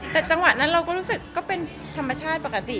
แต่จังหวะนั้นเราก็รู้สึกก็เป็นธรรมชาติปกติ